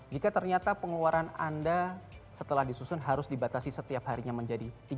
jika ternyata pengeluaran anda setelah disusun harus dibatasi setiap harinya menjadi tiga puluh